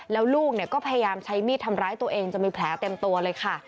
แล้วลูกก็พยายามใช้มีดทำร้ายตัวเองจนมีแผลเต็มตัวเลยค่ะ